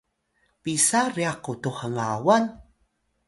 pisa ryax qutux hngawan?